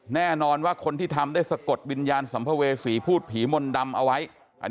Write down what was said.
แน่นอนว่าคนที่ทำได้สะกดวิญญาณสัมภเวษีพูดผีมนต์ดำเอาไว้